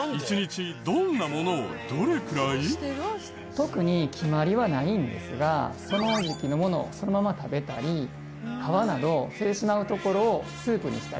特に決まりはないんですがその時期のものをそのまま食べたり皮など捨ててしまうところをスープにしたり。